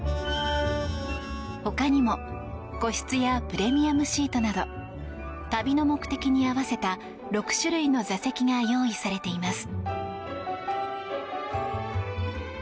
他にも、個室やプレミアムシートなど旅の目的に合わせた６種類の座席が用意されています。